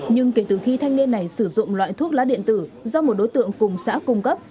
nhưng kể từ khi thanh niên này sử dụng loại thuốc lá điện tử do một đối tượng cùng xã cung cấp